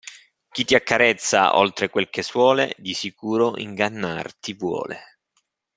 Chi ti accarezza oltre quel che suole, di sicuro ingannar ti vuole.